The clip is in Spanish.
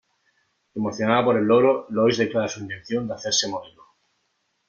Emocionada por el logro, Lois declara su intención de hacerse modelo.